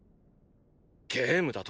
ゲームだと？